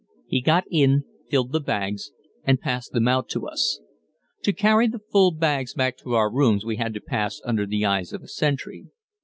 He got in, filled the bags, and passed them out to us. To carry the full bags back to our rooms we had to pass under the eyes of a sentry.